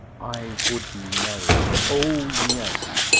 ... I would marry! Oh, yes!